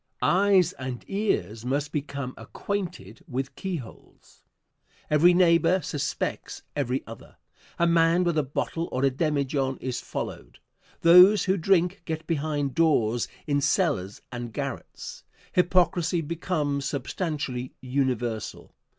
Eyes and ears must become acquainted with keyholes. Every neighbor suspects every other. A man with a bottle or demijohn is followed. Those who drink get behind doors, in cellars and garrets. Hypocrisy becomes substantially universal.